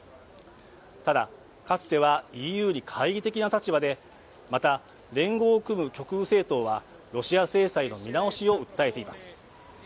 ただ、かつてはＥＵに懐疑的な立場でまた連合を組む極右政党はロシア制裁の見直しを訴えています。